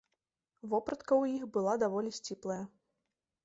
Вопратка ў іх была даволі сціплая.